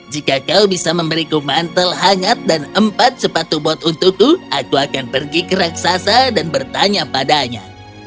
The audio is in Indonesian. jika kau bisa memberiku mantel hangat dan empat sepatu bot untukku aku akan pergi ke raksasa dan bertanya padanya